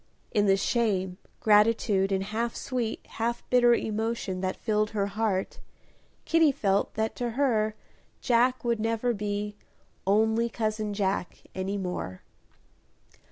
In the shame, gratitude, and half sweet, half bitter emotion that filled her heart, Kitty felt that to her Jack would never be "only cousin Jack" any more.